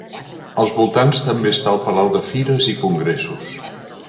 Als voltants també està el Palau de Fires i Congressos.